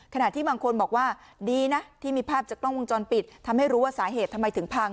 ที่บางคนบอกว่าดีนะที่มีภาพจากกล้องวงจรปิดทำให้รู้ว่าสาเหตุทำไมถึงพัง